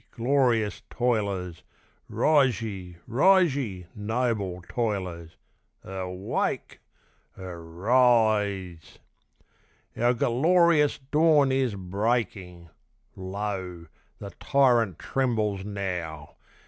glorious toilers! Rise ye! rise ye! noble toilers! Erwake! er rise! Our gerlorious dawn is breaking! Lo! the tyrant trembles now!